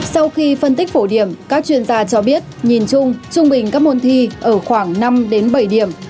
sau khi phân tích phổ điểm các chuyên gia cho biết nhìn chung trung bình các môn thi ở khoảng năm đến bảy điểm